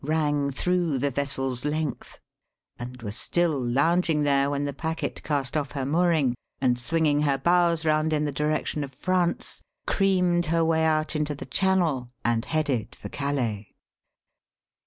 rang through the vessel's length, and was still lounging there when the packet cast off her mooring, and swinging her bows round in the direction of France, creamed her way out into the Channel and headed for Calais.